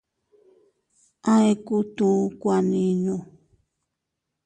A ekutu kuaninu.